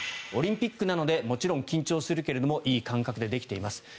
オリンピックなのでもちろん緊張するけれどもいい感覚でできています